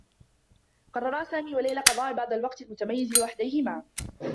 قرّرا سامي و ليلى قضاء بعض الوقت المتميّز لوحديهما.